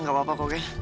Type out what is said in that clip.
nggak apa apa kogel